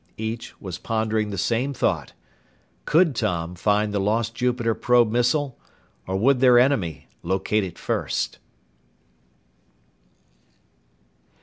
Each was pondering the same thought. _Could Tom find the lost Jupiter probe missile? Or would their enemy locate it first?